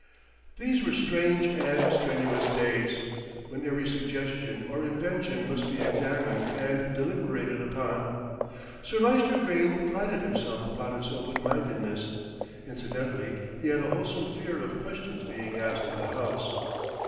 These were strange and strenuous days, when every suggestion or invention must be examined and deliberated upon. Sir Lyster Grayne prided himself upon his open mindedness; incidentally he had a wholesome fear of questions being asked in the House.